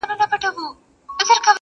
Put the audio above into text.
څه ډول مې چې ویني